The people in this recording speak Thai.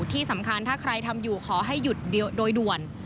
ที่สำคัญถ้าใครทำอยู่ขอให้หยุดโดยด่วน